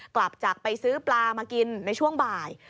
กลับจากไปซื้อปลามากินในช่วงบ่าย